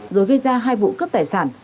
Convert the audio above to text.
rồi gây ra hai vụ cướp tài sản